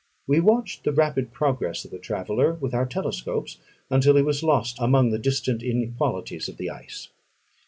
We watched the rapid progress of the traveller with our telescopes, until he was lost among the distant inequalities of the ice.